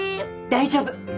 大丈夫。